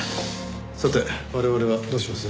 さて我々はどうします？